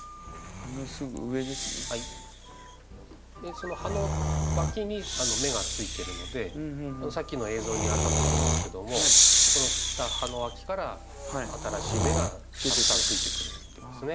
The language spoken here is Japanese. その葉のわきに芽がついてるのでさっきの映像にあったと思いますけどもそこの切った葉のわきから新しい芽がたくさん吹いてくるっていうことですね。